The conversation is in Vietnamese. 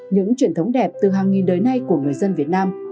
những truyền thống đẹp từ hàng nghìn đời nay của người dân việt nam